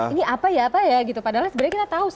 ini apa ya apa ya gitu padahal sebenarnya kita tahu